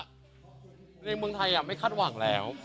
ในเมืองไทยไม่คาดหวังแล้ว